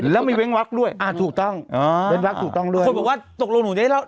แล้วมีเว้นวักด้วยอ่าถูกต้องอ๋อเว้นวักถูกต้องด้วยคนบอกว่าตกลงหนูได้เล่า